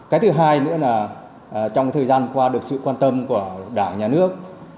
cái thứ hai nữa là trong thời gian qua được sự quan tâm của đảng nhà nước